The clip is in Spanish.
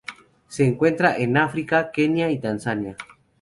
Se encuentra en África en Kenia y Tanzania.